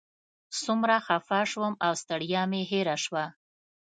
څومره خفه شوم او ستړیا مې هېره شوه.